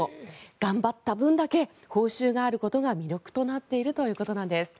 頑張った分だけ報酬があることが魅力となっているということなんです。